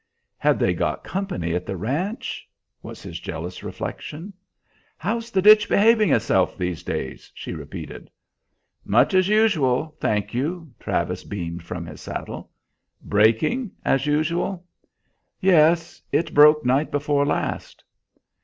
Had they got company at the ranch? was his jealous reflection. "How's the ditch behaving itself these days?" she repeated. "Much as usual, thank you," Travis beamed from his saddle. "Breaking, as usual?" "Yes; it broke night before last."